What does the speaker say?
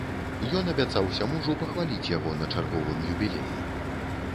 Ён абяцаўся мужу пахваліць яго на чарговым юбілеі.